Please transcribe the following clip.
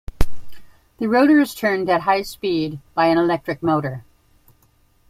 The rotor is turned at a high speed by an electric motor.